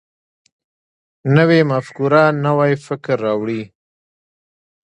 نوې مفکوره نوی فکر راوړي